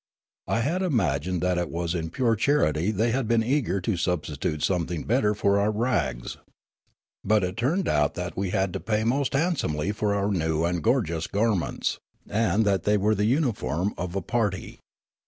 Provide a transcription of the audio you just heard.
I had imagined that it was in pure charity they had been eager to substitute something better for our rags. But it turned out that we had to pay most handsomely for our new and gorgeous garments, and 192 Riallaro that they were the uuiforni of a party.